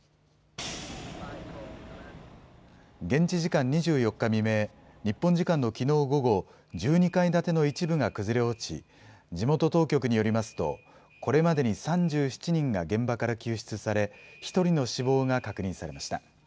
現地時間２４日未明、日本時間のきのう午後、１２階建ての一部が崩れ落ち、地元当局によりますと、これまでに３７人が現場から救出され、１人の死亡が確認されました。